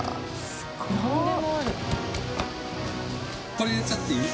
これ入れちゃっていい？